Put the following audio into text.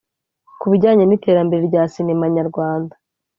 Ku bijyanye n’iterambere rya sinema nyarwanda